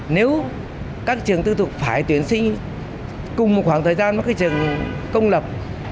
nếu các trường tư thục phải tuyển sinh cùng một khoảng thời gian với trường công lập